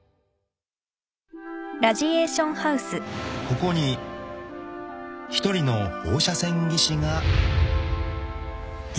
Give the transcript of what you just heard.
［ここに一人の放射線技師がいる］